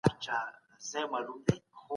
زده کوونکي څنګه د مفاهیمو اړیکه جوړوي؟